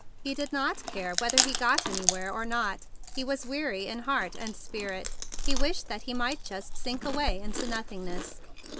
He did not care whether he ever got anywhere or not. He was weary in heart and spirit. He wished that he might just sink away into noth¬ ingness.